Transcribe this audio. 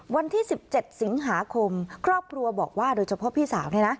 วันที่๑๗สิงหาคมครอบครัวบอกว่าโดยเฉพาะพี่สาวเนี่ยนะ